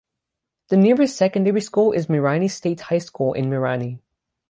The nearest secondary school is Mirani State High School in Mirani.